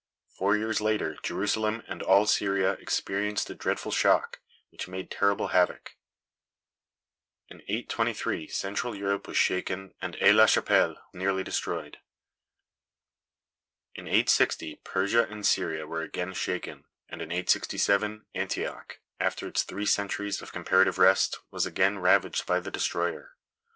Four years later Jerusalem and all Syria experienced a dreadful shock, which made terrible havoc. In 823, Central Europe was shaken and Aix la chapelle nearly destroyed. In 860 Persia and Syria were again shaken; and in 867, Antioch, after its three centuries of comparative rest, was again ravaged by the destroyer.